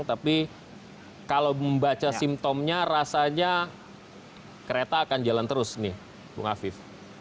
tapi kalau membaca simptomnya rasanya kereta akan jalan terus nih bung afif